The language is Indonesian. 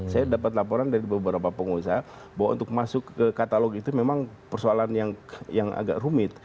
saya dapat laporan dari beberapa pengusaha bahwa untuk masuk ke katalog itu memang persoalan yang agak rumit